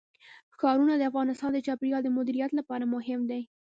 ښارونه د افغانستان د چاپیریال د مدیریت لپاره مهم دي.